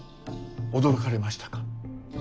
驚かれましたか。